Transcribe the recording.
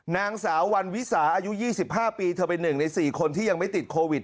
นางสาววันวิสาอายุยี่สิบห้าปีเธอเป็นหนึ่งในสี่คนที่ยังไม่ติดโควิด